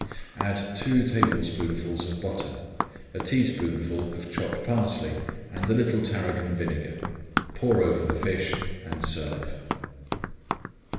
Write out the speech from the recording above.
Add two tablespoonfuls of butter, a teaspoonful of chopped parsley, and a little tarragon vinegar. Pour over the fish and serve.